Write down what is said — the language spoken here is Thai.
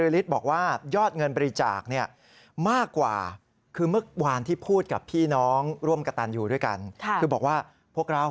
๓๑ล้านบาทแล้วคือเมื่อวานพูดตอนเช้า